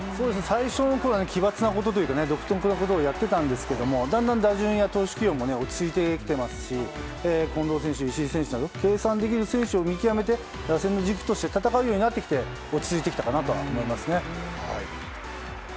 最初のころは奇抜なことというか独特なことをやっていたんですがだんだん打順や投手起用も落ち着いてきていますし近藤選手、石井選手など計算できる選手を見据えて打線の軸になって落ち着いてきたかなと思います。